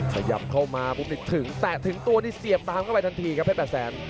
ขยับเข้ามาปุ๊บนี่ถึงแตะถึงตัวนี่เสียบตามเข้าไปทันทีครับเพชรแปดแสน